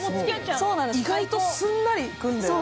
意外とすんなりいくんだよね。